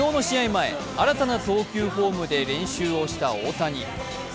前、新たな投球フォームで練習をした大谷。